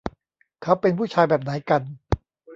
เขาเป็นผู้ชายแบบไหนกัน